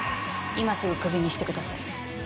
今すぐクビにしてください。